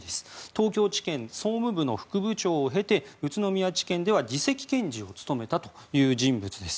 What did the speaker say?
東京地検総務部の副部長を経て宇都宮地検では次席検事を務めた人物です。